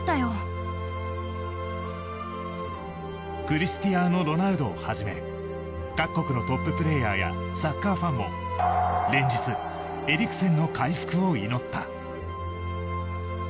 クリスティアーノ・ロナウドをはじめ各国のトッププレーヤーやサッカーファンも連日、エリクセンの回復を祈った。